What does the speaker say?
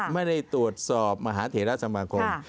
ไม่ได้ตรวจสอบมหาเถระสมาคม